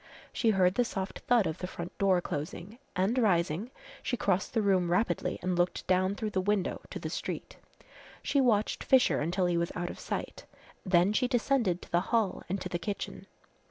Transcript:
She heard the soft thud of the front door closing, and rising she crossed the room rapidly and looked down through the window to the street. She watched Fisher until he was out of sight; then she descended to the hall and to the kitchen.